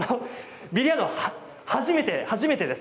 ビリヤードは初めてです。